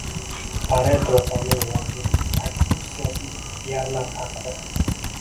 «Pareto qonuni» yoki tagi puch siyosiy piarlar haqida